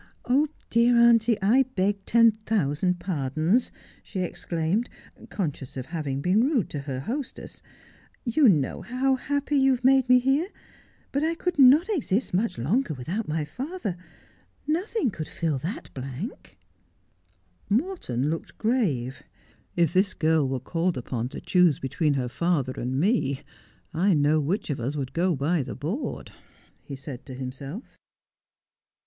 Oh, dear auntie, I beg ten thousand pardons,' she exclaimed, conscious of having been rude to her hostess, ' you know how happy you have made me here ; but I could not exist much longer without my father. Nothing could fill that blank.' ' To the End of the World.' 141 Morton looked grave. ' If this girl were called upon to choose between her father and me, I know which of us would go by the board,' he said to himself.